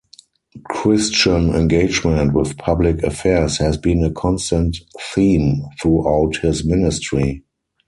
Christian engagement with public affairs has been a constant theme throughout his ministry.